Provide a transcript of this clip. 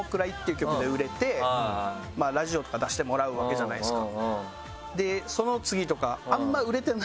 ラジオとか出してもらうわけじゃないですか。